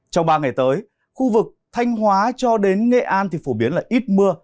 trong ba ngày tới khu vực thanh hóa cho đến nghệ an thì phổ biến là ít mưa